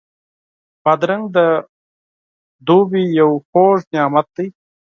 بادرنګ د اوړي یو خوږ نعمت دی.